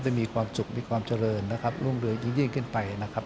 ได้มีความสุขมีความเจริญนะครับร่วมเรือยเย็นขึ้นไปนะครับ